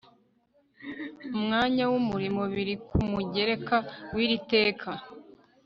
umwanya w umurimo biri ku mugereka w iri teka